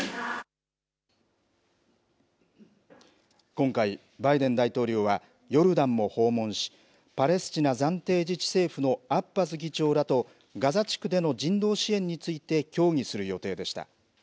今回、バイデン大統領はヨルダンも訪問し、パレスチナ暫定自治政府のアッバス議長らとガザ地区での人道支援について協議する予定でした。